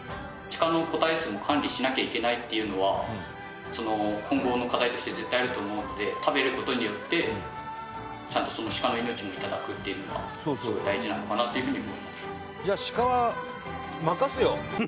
シカの個体数も管理しなきゃいけないっていうのは今後の課題として絶対あると思うんで食べる事によってちゃんとシカの命もいただくっていうのはすごく大事なのかなっていうふうに思います。